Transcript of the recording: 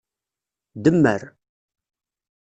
Demmer.